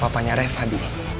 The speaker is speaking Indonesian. papanya reva dulu